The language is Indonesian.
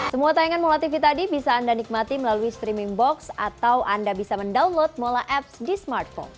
semua tayangan mola tv tadi bisa anda nikmati melalui streaming box atau anda bisa mendownload mola apps di smartphone